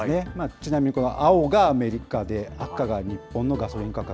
ちなみにこの青がアメリカで、赤が日本のガソリン価格。